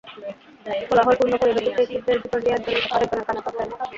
কোলাহলপূর্ণ পরিবেশে সেই ছিদ্রের ভেতর দিয়ে একজনের কথা আরেকজনের কানে পৌঁছায় না।